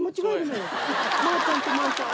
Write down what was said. まーちゃんとマンちゃん